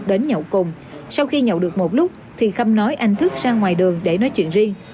đến nhậu cùng sau khi nhậu được một lúc thì khâm nói anh thức ra ngoài đường để nói chuyện riêng